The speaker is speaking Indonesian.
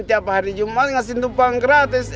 tiap hari jumat ngasih tumpang gratis